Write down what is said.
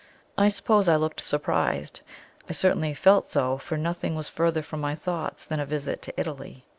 I suppose I looked surprised; I certainly felt so, for nothing was further from my thoughts than a visit to Italy.